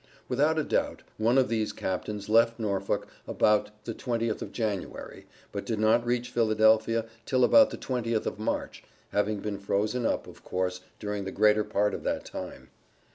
Without a doubt, one of these Captains left Norfolk about the twentieth of January, but did not reach Philadelphia till about the twentieth of March, having been frozen up, of course, during the greater part of that time.